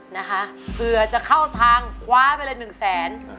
นะคะเผื่อจะเข้าทางคว้าไปเลยหนึ่งแสน